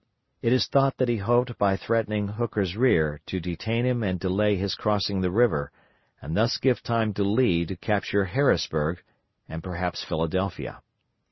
It is thought that he hoped by threatening Hooker's rear to detain him and delay his crossing the river, and thus give time to Lee to capture Harrisburg, and perhaps Philadelphia.